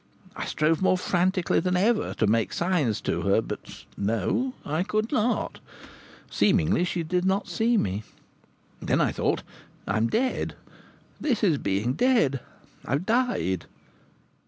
I strove more frantically than ever to make signs to her; but no, I could not. Seemingly she did not see. Then I thought: "I'm dead! This is being dead! I've died!"